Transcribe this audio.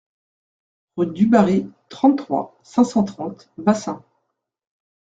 Rue Dubarry, trente-trois, cinq cent trente Bassens